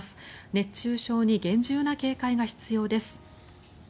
熱中症に厳重な警戒が必要です。